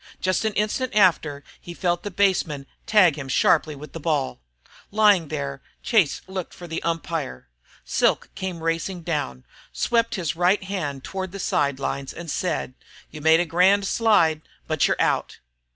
Just an instant after he felt the baseman tag him sharply with the ball. Lying there, Chase looked for the umpire. Silk came racing down, swept his right hand toward the side lines and said: "You made a grand slide but you 're out!"